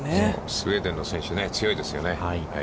スウェーデンの選手は強いですよね。